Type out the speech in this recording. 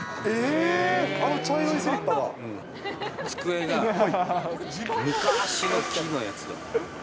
机が昔の木のやつだった。